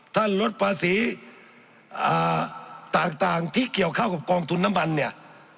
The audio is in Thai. ลดภาษีต่างที่เกี่ยวเข้ากับกองทุนน้ำมันเนี่ย